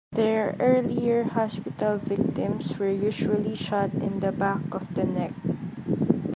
Their earlier hospital victims were usually shot in the back of the neck.